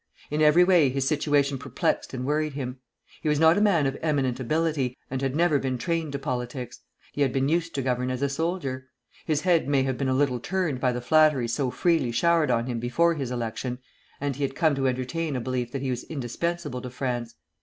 In every way his situation perplexed and worried him. He was not a man of eminent ability, and had never been trained to politics. He had been used to govern as a soldier. His head may have been a little turned by the flatteries so freely showered on him before his election, and he had come to entertain a belief that he was indispensable to France.